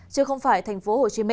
chứ không phải tp hcm